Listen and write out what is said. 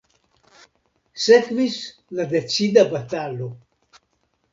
Sekvis la decida batalo.